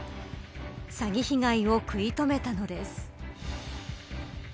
詐欺被害を食い止めたのです。